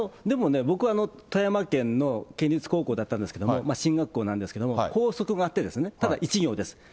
でもね、僕は富山県の県立高校だったんですけども、進学校なんですけれども、拘束があって、ただ１行です。